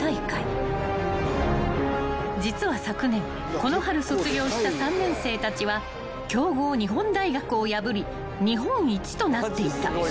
［実は昨年この春卒業した３年生たちは強豪日本大学を破り日本一となっていた］